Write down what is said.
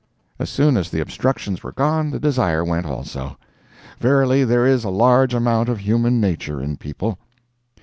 As soon as the obstructions were gone the desire went also. Verily, there is a large amount of human nature in people.